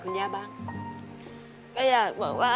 นี้เป็นรายการทั่วไปสามารถรับชมได้ทุกวัย